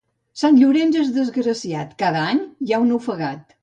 Sant Llorenç és desgraciat: cada any hi ha un ofegat.